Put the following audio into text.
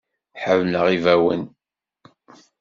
Ḥemmleɣ ibawen.